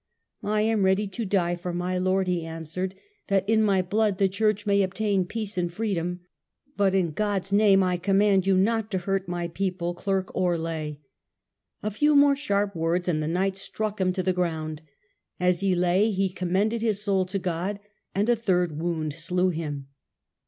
" I am ready to die for my Lord," he answered, "that in my blood the church may obtain peace and freedom. But in God's name I command you not to hurt my people, clerk or lay." A few more sharp words and the knights struck him to the ground. As he lay he commended his soul to God, and a third wound slew him.